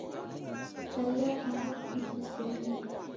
Kaiya aha kudiweserie